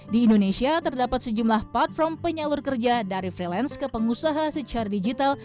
di indonesia terdapat sejumlah platform penyalur kerja dari freelance ke pengusaha secara digital